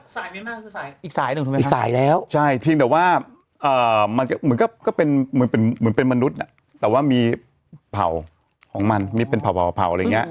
อีกสายหนึ่งถูกมั้ยครับอีกสายแล้วใช่เพียงแต่ว่ามันก็เหมือนเป็นมนุษย์แต่ว่ามีเผ่าของมันมีเป็นเผ่าอะไรอย่างนี้